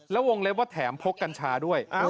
แล้ววงเล็บว่าแถมพกกัญชาด้วย